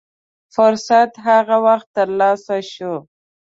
فرصت هغه وخت تر لاسه شو.